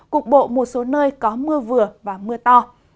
cục bộ một số nơi có mưa vừa và mưa to